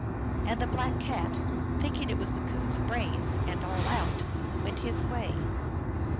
And the Black Cat, thinking it was the Coon s brains and all out, went his way.